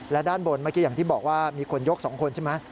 และด้านบนเมื่อกี้อย่างที่บอกว่ามีคนยก๒คนใช่ไหม